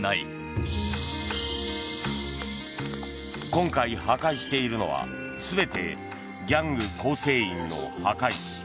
今回、破壊しているのは全てギャング構成員の墓石。